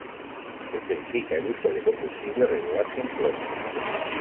Se especifica el uso de combustible regular sin plomo.